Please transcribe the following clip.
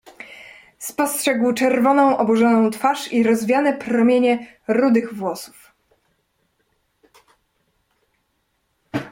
"Spostrzegł czerwoną oburzoną twarz i rozwiane promienie rudych włosów."